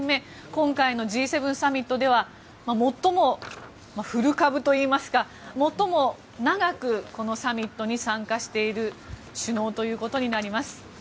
今回のＧ７サミットでは最も古株といいますか最も長くこのサミットに参加している首脳ということになります。